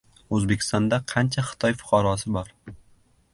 O‘zbekistonda qancha Xitoy fuqarosi bor?